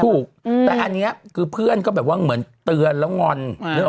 ถูกแต่อันนี้คือเพื่อนก็แบบว่าเหมือนเตือนแล้วงอน